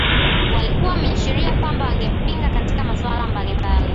walikuwa wameashiria kwamba wangempinga katika masuala mbalimbali